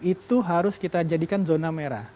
itu harus kita jadikan zona merah